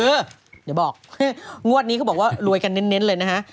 เดี๋ยวบอกงวดนี้เขาบอกว่ารวยกันเน้นเลยนะฮะ